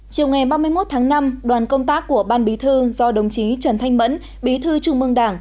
chiều ngày ba mươi một tháng năm đoàn công tác của ban bí thư do đồng chí trần thanh mẫn bí thư trung mương đảng